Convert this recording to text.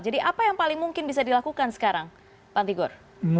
jadi apa yang paling mungkin bisa dilakukan sekarang pan tigur